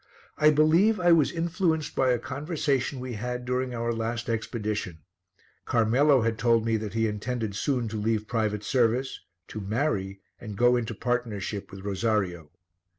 I believe I was influenced by a conversation we had had during our last expedition; Carmelo had told me that he intended soon to leave private service, to marry and go into partnership with Rosario.